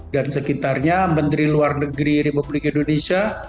dan sekitarnya menteri luar negeri republik indonesia